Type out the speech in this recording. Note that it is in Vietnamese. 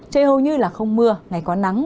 trời hầu như là không mưa ngày có nắng